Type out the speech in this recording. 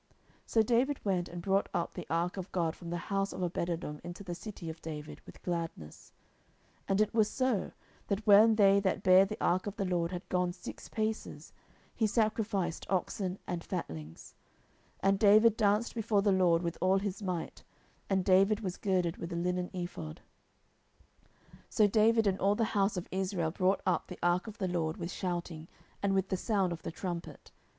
So David went and brought up the ark of God from the house of Obededom into the city of David with gladness. 10:006:013 And it was so, that when they that bare the ark of the LORD had gone six paces, he sacrificed oxen and fatlings. 10:006:014 And David danced before the LORD with all his might; and David was girded with a linen ephod. 10:006:015 So David and all the house of Israel brought up the ark of the LORD with shouting, and with the sound of the trumpet.